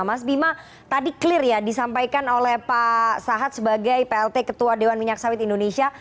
mas bima tadi clear ya disampaikan oleh pak sahat sebagai plt ketua dewan minyak sawit indonesia